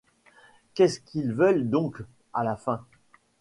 Qu'est-ce qu'ils veulent donc, à la fin ?